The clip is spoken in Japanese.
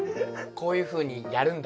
「こういうふうにやるんだよ」。